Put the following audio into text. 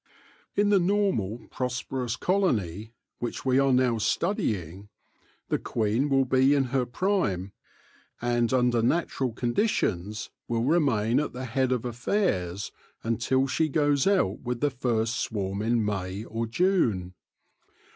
In the normal, prosperous colony, which we are now studying, the queen will be in her prime, and under natural conditions will remain at the head of affairs until she goes out with the first swarm in May or June.